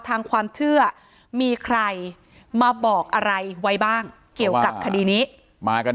ทางความเชื่อมีใครมาบอกอะไรไว้บ้างเกี่ยวกับคดีนี้มากัน